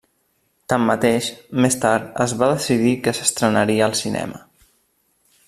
Tanmateix, més tard es va decidir que s'estrenaria al cinema.